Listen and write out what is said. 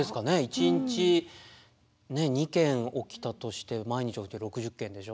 一日２件起きたとして毎日起きて６０件でしょ。